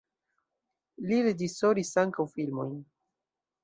Li reĝisoris ankaŭ filmojn.